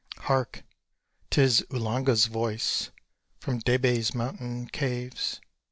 Hark! 'tis Uhlanga's voice From Debé's mountain caves!